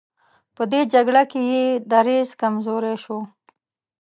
په دې جګړه کې یې دریځ کمزوری شو.